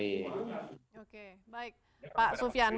baik pak sufyan